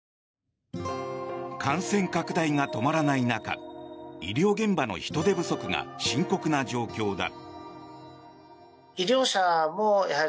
感染拡大が止まらない中医療現場の人手不足が深刻な状況だ。